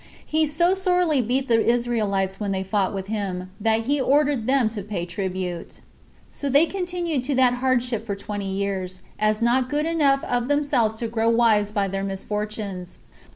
He so sorely beat the Israelites when they fought with him, that he ordered them to pay tribute. 2. So they continued to that hardship for twenty years, as not good enough of themselves to grow wise by their misfortunes.